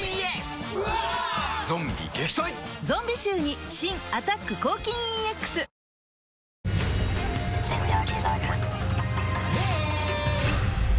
ゾンビ臭に新「アタック抗菌 ＥＸ」嘘とは